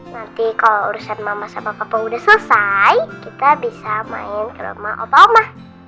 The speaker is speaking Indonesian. nanti kalau urusan mama sama papa udah selesai kita bisa main ke rumah opa oma